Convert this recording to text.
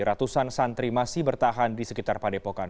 ratusan santri masih bertahan di sekitar padepokan